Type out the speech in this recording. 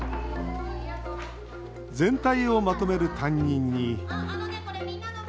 全体をまとめる担任に。